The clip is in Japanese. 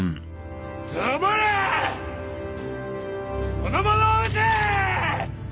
この者をうて！